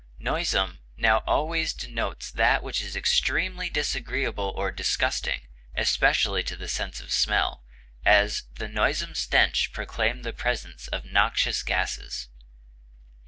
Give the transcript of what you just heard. Noisome now always denotes that which is extremely disagreeable or disgusting, especially to the sense of smell; as, the noisome stench proclaimed the presence of noxious gases.